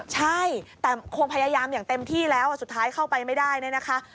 ใช่แต่คงพยายามอย่างเต็มที่แล้วสุดท้ายเข้าไปไม่ได้เนี่ยนะคะ